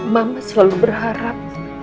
mamah selalu berharap